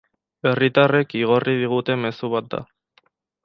Herritarrek igorri diguten mezu bat da.